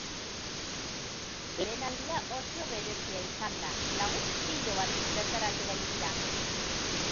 Lehen aldia oso berezia izan da, lagun pilo bat bertaratu baitira.